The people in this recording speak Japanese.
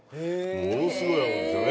ものすごい合うんですよね。